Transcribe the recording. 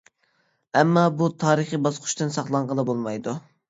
ئەمما بۇ تارىخى باسقۇچتىن ساقلانغىلى بولمايدۇ.